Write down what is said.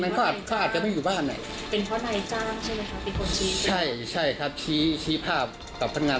เป็นพ่อนายจ้างใช่ไหมคะใช่ครับชี้ภาพกับพันธ์งาน